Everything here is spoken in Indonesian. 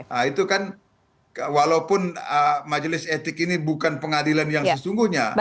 nah itu kan walaupun majelis etik ini bukan pengadilan yang sesungguhnya